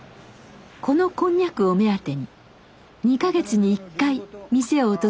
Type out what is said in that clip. このこんにゃくを目当てに２か月に１回店を訪れる人がいます。